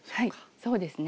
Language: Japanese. そうですね。